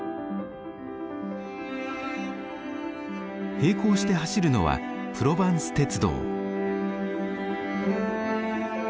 並行して走るのはプロヴァンス鉄道。